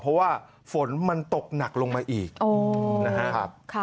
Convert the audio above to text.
เพราะว่าฝนมันตกหนักลงมาอีกนะครับ